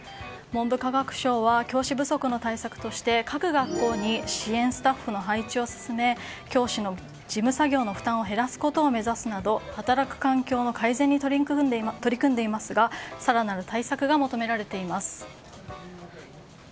文部科学省は教師不足の対策として各学校に支援スタッフの配置を進め教師の事務作業の負担を減らすことを目指すなど働く環境の改善に取り組んでいますが更なる対策が求められています。